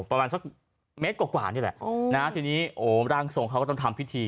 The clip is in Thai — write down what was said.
ประมาณสักเมตรกว่านี่แหละทีนี้โอ้ร่างทรงเขาก็ต้องทำพิธี